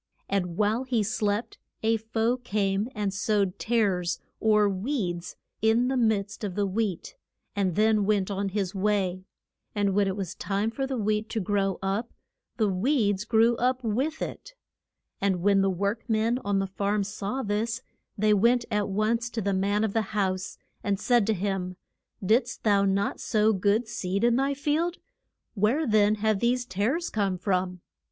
And while he slept a foe came and sowed tares, or weeds, in the midst of the wheat, and then went on his way. And when it was time for the wheat to grow up, the weeds grew up with it. And when the work men on the farm saw this, they went at once to the man of the house, and said to him, Didst thou not sow good seed in thy field? Where then have these tares come from?